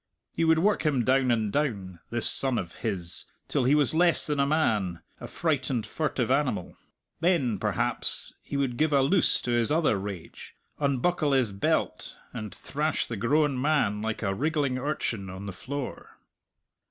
He would work him down and down, this son of his, till he was less than a man, a frightened, furtive animal. Then, perhaps, he would give a loose to his other rage, unbuckle his belt, and thrash the grown man like a wriggling urchin on the floor.